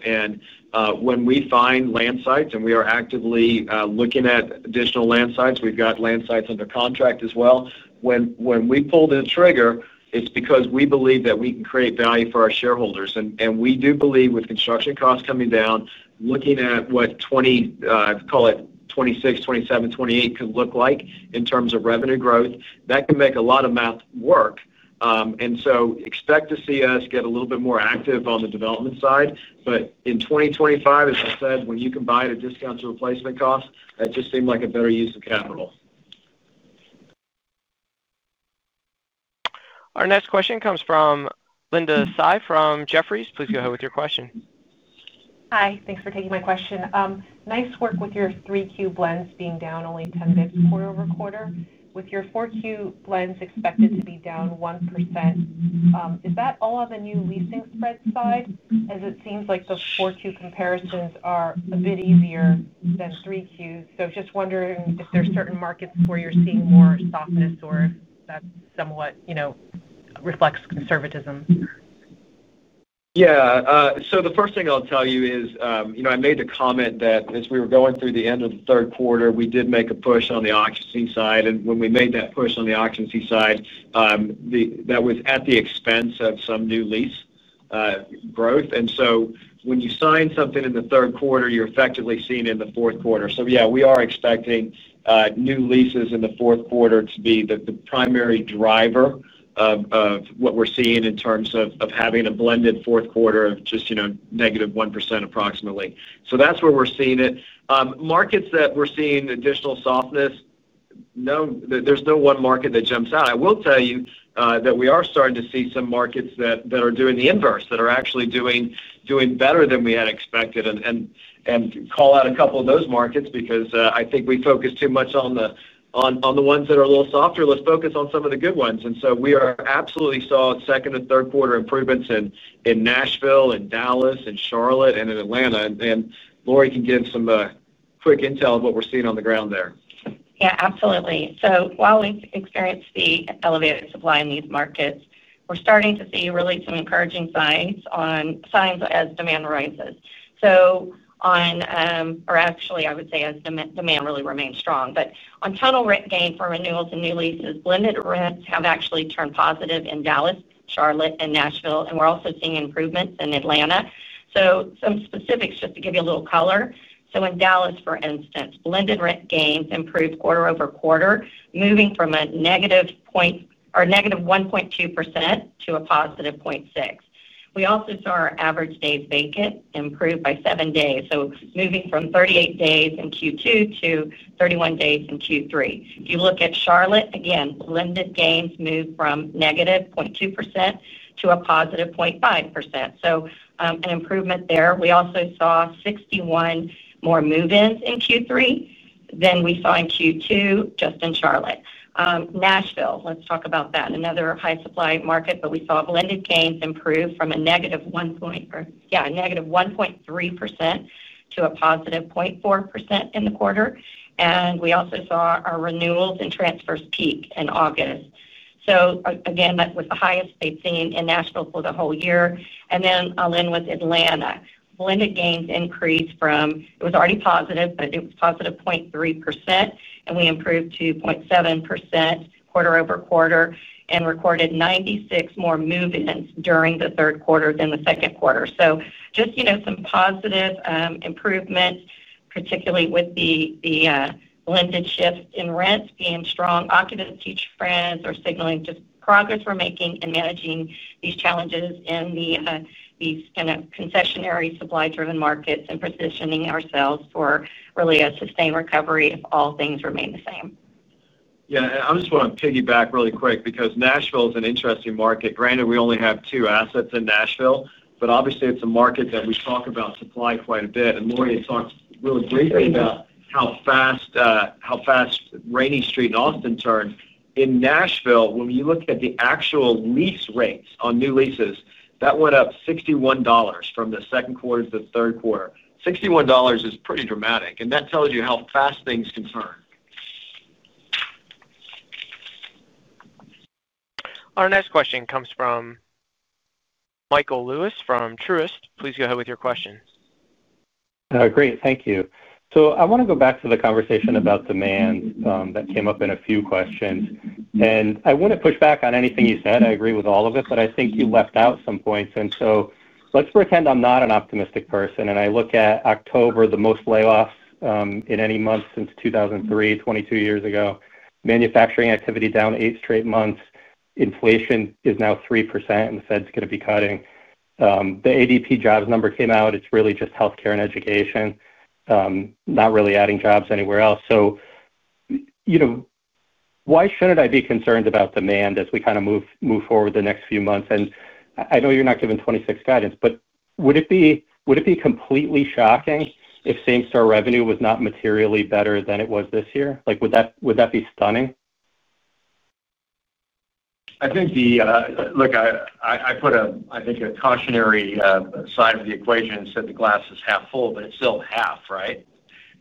When we find land sites and we are actively looking at additional land sites, we've got land sites under contract as well. When we pull the trigger, it's because we believe that we can create value for our shareholders. We do believe with construction costs coming down, looking at what 2026, 2027, 2028 could look like in terms of revenue growth, that can make a lot of math work. Expect to see us get a little bit more active on the development side. In 2025, as I said, when you can buy at a discount to replacement cost, that just seemed like a better use of capital. Our next question comes from Linda Tsai from Jefferies. Please go ahead with your question. Hi. Thanks for taking my question. Nice work with your 3Q blends being down only 10 basis points quarter over quarter. With your 4Q blends expected to be down 1%, is that all on the new leasing spread side? As it seems like the 4Q comparisons are a bit easier than 3Q. Just wondering if there are certain markets where you're seeing more softness or if that somewhat reflects conservatism. Yeah. The first thing I'll tell you is I made the comment that as we were going through the end of the third quarter, we did make a push on the occupancy side. When we made that push on the occupancy side, that was at the expense of some new lease growth. When you sign something in the third quarter, you're effectively seeing it in the fourth quarter. Yeah, we are expecting new leases in the fourth quarter to be the primary driver of what we're seeing in terms of having a blended fourth quarter of just negative 1% approximately. That's where we're seeing it. Markets that we're seeing additional softness, there's no one market that jumps out. I will tell you that we are starting to see some markets that are doing the inverse, that are actually doing better than we had expected. Call out a couple of those markets because I think we focus too much on the ones that are a little softer. Let's focus on some of the good ones. We absolutely saw second and third quarter improvements in Nashville and Dallas and Charlotte and in Atlanta. Laurie can give some quick intel of what we're seeing on the ground there. Yeah, absolutely. While we've experienced the elevated supply in these markets, we're starting to see really some encouraging signs as demand rises. Or actually, I would say as demand really remains strong. On total rent gain for renewals and new leases, blended rents have actually turned positive in Dallas, Charlotte, and Nashville. We're also seeing improvements in Atlanta. Some specifics just to give you a little color. In Dallas, for instance, blended rent gains improved quarter over quarter, moving from a negative 1.2% to a positive 0.6%. We also saw our average days vacant improve by 7 days, moving from 38 days in Q2 to 31 days in Q3. If you look at Charlotte, again, blended gains moved from negative 0.2% to a positive 0.5%. An improvement there. We also saw 61 more move-ins in Q3 than we saw in Q2 just in Charlotte. Nashville, let's talk about that. Another high-supply market, but we saw blended gains improve from a negative 1.3% to a positive 0.4% in the quarter. We also saw our renewals and transfers peak in August, again, with the highest they've seen in Nashville for the whole year. I'll end with Atlanta. Blended gains increased from it was already positive, but it was positive 0.3%, and we improved to 0.7% quarter over quarter and recorded 96 more move-ins during the third quarter than the second quarter. Just some positive improvements, particularly with the blended shift in rents being strong. Occupants teach friends or signaling just progress we're making in managing these challenges in these kind of concessionary supply-driven markets and positioning ourselves for really a sustained recovery if all things remain the same. Yeah. I just want to piggyback really quick because Nashville is an interesting market. Granted, we only have two assets in Nashville, but obviously, it is a market that we talk about supply quite a bit. Laurie had talked really briefly about how fast Rainy Street and Austin turned. In Nashville, when you look at the actual lease rates on new leases, that went up $61 from the second quarter to the third quarter. $61 is pretty dramatic. That tells you how fast things can turn. Our next question comes from Michael Lewis from Truist. Please go ahead with your question. Great. Thank you. I want to go back to the conversation about demand that came up in a few questions. I would not push back on anything you said. I agree with all of it, but I think you left out some points. Let's pretend I'm not an optimistic person. I look at October, the most layoffs in any month since 2003, 22 years ago. Manufacturing activity down eight straight months. Inflation is now 3%, and the Fed's going to be cutting. The ADP jobs number came out. It's really just healthcare and education, not really adding jobs anywhere else. Why shouldn't I be concerned about demand as we kind of move forward the next few months? I know you're not giving 2026 guidance, but would it be completely shocking if same-store revenue was not materially better than it was this year? Would that be stunning? I think, look, I put a, I think, a cautionary side of the equation and said the glass is half full, but it's still half, right?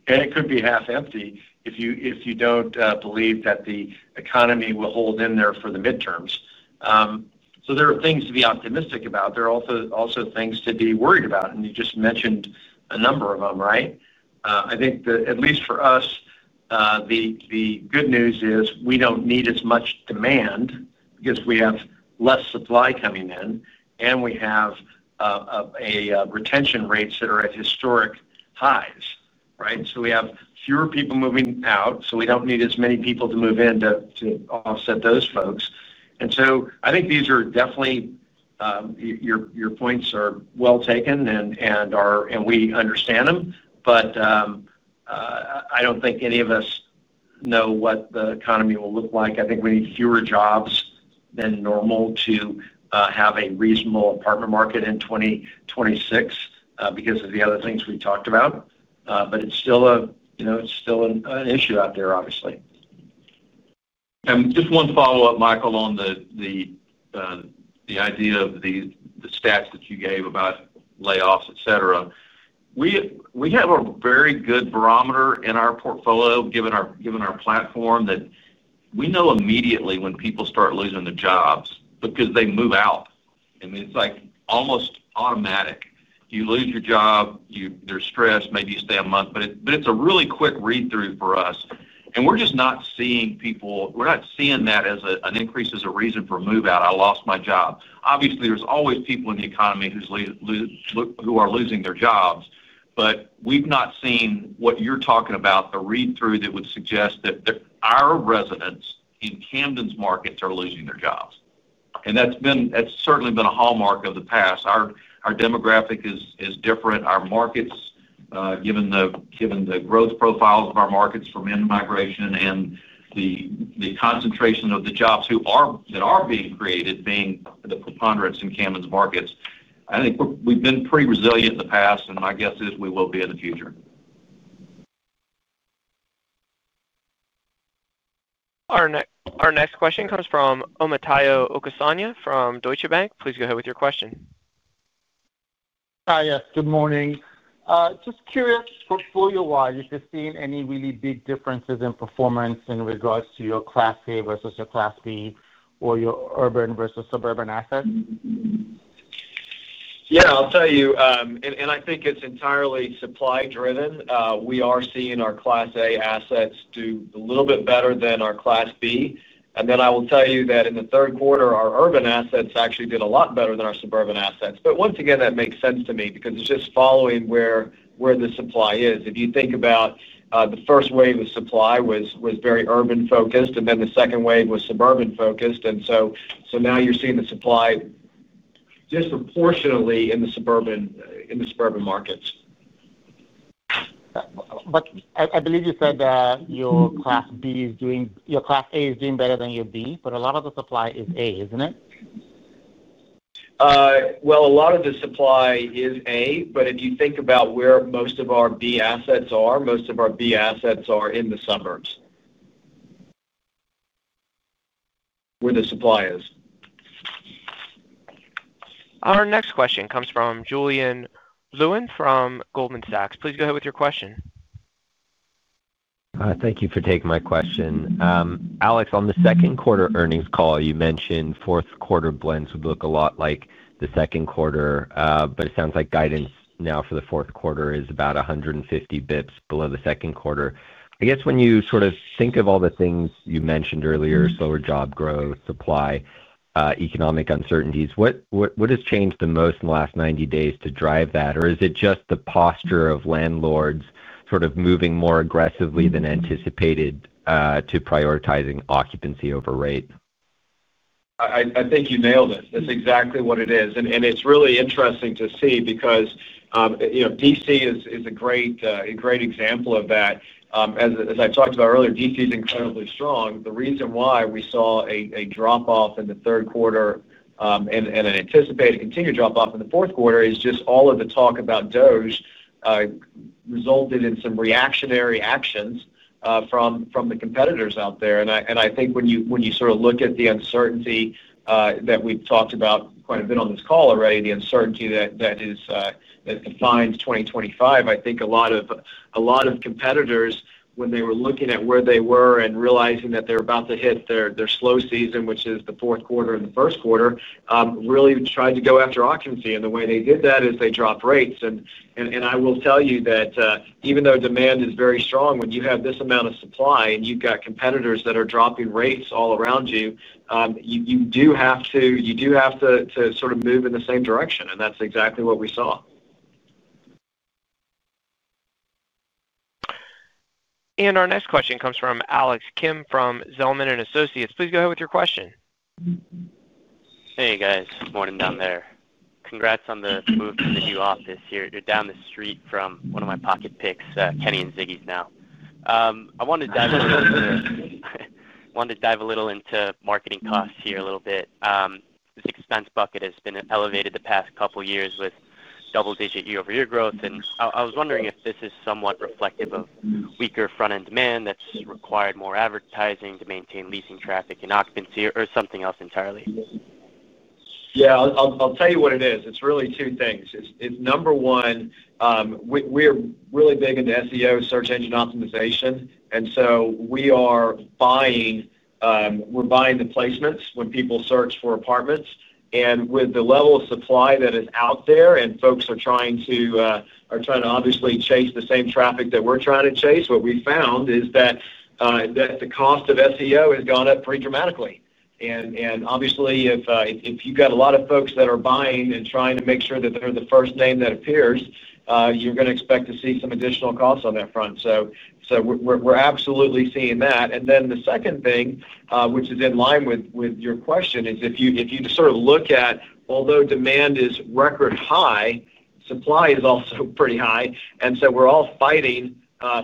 It could be half empty if you do not believe that the economy will hold in there for the midterms. There are things to be optimistic about. There are also things to be worried about. You just mentioned a number of them, right? I think that at least for us, the good news is we do not need as much demand because we have less supply coming in, and we have retention rates that are at historic highs, right? We have fewer people moving out, so we do not need as many people to move in to offset those folks. I think these are definitely, your points are well taken, and we understand them. I do not think any of us know what the economy will look like. I think we need fewer jobs than normal to have a reasonable apartment market in 2026 because of the other things we talked about. It is still an issue out there, obviously. Just one follow-up, Michael, on the idea of the stats that you gave about layoffs, etc. We have a very good barometer in our portfolio, given our platform, that we know immediately when people start losing their jobs because they move out. I mean, it is almost automatic. You lose your job, there is stress, maybe you stay a month. It is a really quick read-through for us. We are just not seeing people, we are not seeing that as an increase as a reason for move-out. I lost my job. Obviously, there are always people in the economy who are losing their jobs. We have not seen what you are talking about, the read-through that would suggest that our residents in Camden's markets are losing their jobs. That has certainly been a hallmark of the past. Our demographic is different. Our markets, given the growth profiles of our markets from end migration and the concentration of the jobs that are being created, being the preponderance in Camden's markets, I think we have been pretty resilient in the past, and my guess is we will be in the future. Our next question comes from Omotayo Okusanya from Deutsche Bank. Please go ahead with your question. Hi. Yes. Good morning. Just curious, portfolio-wise, have you seen any really big differences in performance in regards to your Class A versus your Class B or your urban versus suburban assets? Yeah. I'll tell you, and I think it's entirely supply-driven. We are seeing our Class A assets do a little bit better than our Class B. I will tell you that in the third quarter, our urban assets actually did a lot better than our suburban assets. Once again, that makes sense to me because it's just following where the supply is. If you think about the first wave of supply was very urban-focused, and then the second wave was suburban-focused. Now you're seeing the supply disproportionately in the suburban markets. I believe you said your Class B is doing, your Class A is doing better than your B, but a lot of the supply is A, isn't it? A lot of the supply is A. If you think about where most of our B assets are, most of our B assets are in the suburbs where the supply is. Our next question comes from Julian Blouin from Goldman Sachs. Please go ahead with your question. Thank you for taking my question. Alex, on the second quarter earnings call, you mentioned fourth quarter blends would look a lot like the second quarter, but it sounds like guidance now for the fourth quarter is about 150 basis points below the second quarter. I guess when you sort of think of all the things you mentioned earlier, slower job growth, supply, economic uncertainties, what has changed the most in the last 90 days to drive that? Or is it just the posture of landlords sort of moving more aggressively than anticipated to prioritizing occupancy over rate? I think you nailed it. That's exactly what it is. It's really interesting to see because D.C. is a great example of that. As I talked about earlier, D.C. is incredibly strong. The reason why we saw a drop-off in the third quarter and an anticipated continued drop-off in the fourth quarter is just all of the talk about D.C. resulted in some reactionary actions from the competitors out there. I think when you sort of look at the uncertainty that we've talked about quite a bit on this call already, the uncertainty that defines 2025, I think a lot of competitors, when they were looking at where they were and realizing that they're about to hit their slow season, which is the fourth quarter and the first quarter, really tried to go after occupancy. The way they did that is they dropped rates. I will tell you that even though demand is very strong, when you have this amount of supply and you've got competitors that are dropping rates all around you, you do have to sort of move in the same direction. That's exactly what we saw. Our next question comes from Alex Kim from Zelman & Associates. Please go ahead with your question. Hey, guys. Morning down there. Congrats on the move to the new office here. You're down the street from one of my pocket picks, Kenny and Ziggy's now. I wanted to dive a little into marketing costs here a little bit. This expense bucket has been elevated the past couple of years with double-digit year-over-year growth. I was wondering if this is somewhat reflective of weaker front-end demand that's required more advertising to maintain leasing traffic and occupancy or something else entirely. Yeah. I'll tell you what it is. It's really two things. It's number one, we're really big into SEO, search engine optimization. We are buying the placements when people search for apartments. With the level of supply that is out there and folks are trying to obviously chase the same traffic that we're trying to chase, what we found is that the cost of SEO has gone up pretty dramatically. Obviously, if you've got a lot of folks that are buying and trying to make sure that they're the first name that appears, you're going to expect to see some additional costs on that front. We're absolutely seeing that. The second thing, which is in line with your question, is if you sort of look at, although demand is record high, supply is also pretty high. We're all fighting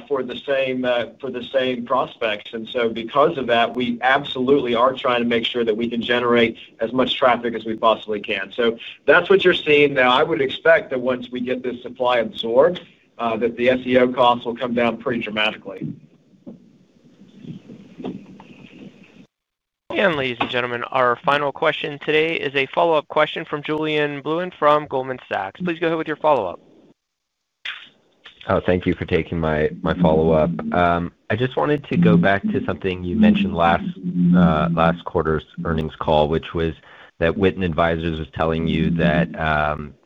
for the same prospects. Because of that, we absolutely are trying to make sure that we can generate as much traffic as we possibly can. That's what you're seeing. I would expect that once we get this supply absorbed, the SEO costs will come down pretty dramatically. Ladies and gentlemen, our final question today is a follow-up question from Julian Lewin from Goldman Sachs. Please go ahead with your follow-up. Thank you for taking my follow-up. I just wanted to go back to something you mentioned last quarter's earnings call, which was that Witton Advisors was telling you that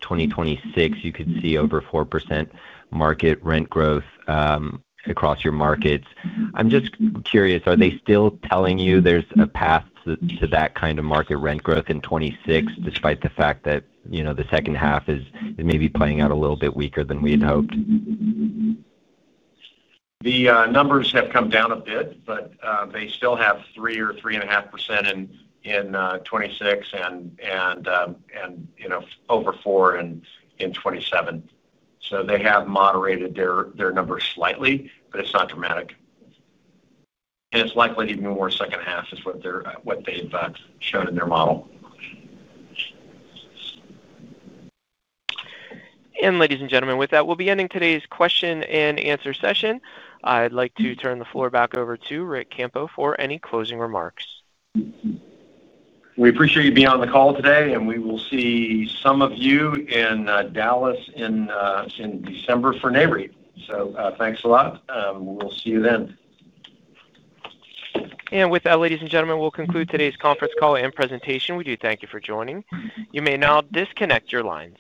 2026, you could see over 4% market rent growth across your markets. I'm just curious, are they still telling you there's a path to that kind of market rent growth in 2026, despite the fact that the second half is maybe playing out a little bit weaker than we had hoped? The numbers have come down a bit, but they still have 3% or 3.5% in 2026 and over 4% in 2027. They have moderated their numbers slightly, but it is not dramatic. It is likely to be more second half is what they have shown in their model. Ladies and gentlemen, with that, we'll be ending today's question and answer session. I'd like to turn the floor back over to Ric Campo for any closing remarks. We appreciate you being on the call today, and we will see some of you in Dallas in December for NAREIT. So thanks a lot. We'll see you then. With that, ladies and gentlemen, we'll conclude today's conference call and presentation. We do thank you for joining. You may now disconnect your lines.